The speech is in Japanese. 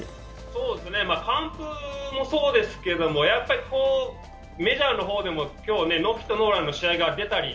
完封もそうですけど、やっぱりメジャーの方でも今日、ノーヒットノーランの試合が出たり、